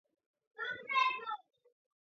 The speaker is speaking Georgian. მდებარეობს თათრეთის საზღვართან.